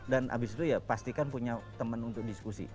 dan abis itu ya pastikan punya temen untuk diskusi